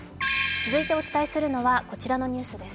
続いてお伝えするのはこちらのニュースです。